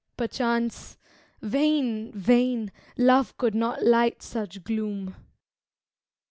Perchance Vain! vain! love could not light such gloom."